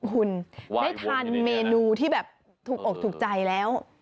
คุณได้ทานเมนูที่แบบถูกอกถูกใจแล้ว